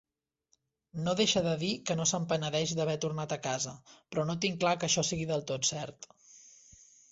No deixa de dir que no se'n penedeix d'haver tornat a casa, però no tinc clar que això sigui del tot cert.